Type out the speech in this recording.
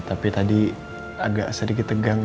tapi tadi agak sedikit tegang